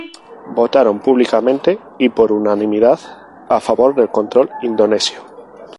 Votaron públicamente y por unanimidad a favor del control indonesio.